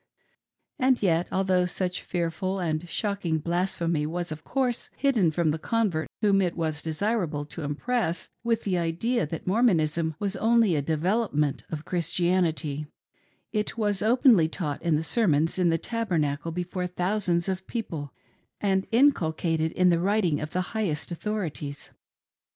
And yet, although such fearful and shocking blasphemy was, of course, hidden from the convert whom it was desirable to impress with the idea that Mormonism was only a developi^ ment of Christianity, it was openly taught in the sermons in the Tabernacle before thousands of people, and inculcated in the writing of the highest authorities.